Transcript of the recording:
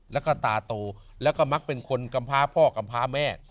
แล้วก็ตาโตแล้วก็มักเป็นคนกำพาพ่อกำพาแม่